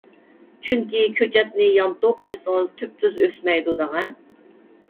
چۈنكى كۆچەتنى يانتۇ قويسىڭىز تۈپتۈز ئۆسمەيدۇ دەڭە.